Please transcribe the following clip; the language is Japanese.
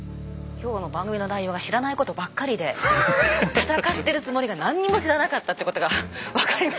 今日の番組の内容が知らないことばっかりで闘ってるつもりが何にも知らなかったってことが分かりましたね。